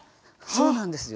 そうなんです。